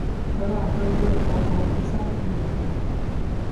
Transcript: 佢話佢會令我改變心意喎